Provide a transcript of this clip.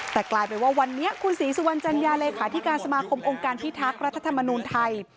แต่กลายเป็นว่าวันนี้คุณศรีสุวรรณจัญญาเลขาธิการสมาคมองค์การพิทักษ์รัฐธรรมนูลไทย